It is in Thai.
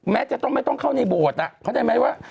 จะต้องไม่ต้องเข้าในโบสถ์เข้าใจไหมว่า